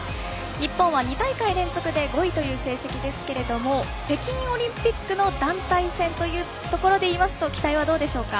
日本は２大会連続で５位という成績ですけれども北京オリンピックの団体戦というところでいいますと期待はどうでしょうか。